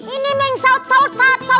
ini meng saut saut saut saut